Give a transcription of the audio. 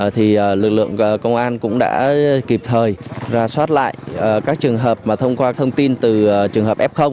thì lực lượng công an cũng đã kịp thời ra soát lại các trường hợp mà thông qua thông tin từ trường hợp f